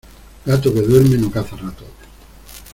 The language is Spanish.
Gato que duerme no caza ratones.